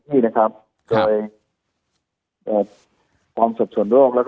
โดยการแดดความสดส่วนโรคเลือกออก